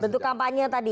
bentuk kampanye tadi